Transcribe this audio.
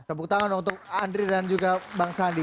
tepuk tangan untuk andri dan juga bang sandi